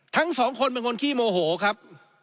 ทั้งสองคนเป็นคนขี้โมโหครับ